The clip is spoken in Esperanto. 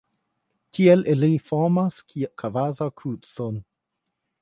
Tiel ili formas kvazaŭ krucon.